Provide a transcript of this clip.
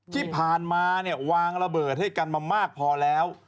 ที่ผ่านมาเนี่ยวางระเบิดให้กันมามากพอแล้ว